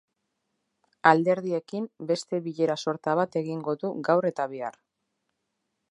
Alderdiekin beste bilera sorta bat egingo du gaur eta bihar.